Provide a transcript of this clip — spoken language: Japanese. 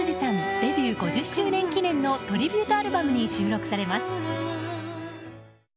デビュー５０周年記念のトリビュートアルバムに収録されます。